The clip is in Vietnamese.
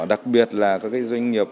đặc biệt là các doanh nghiệp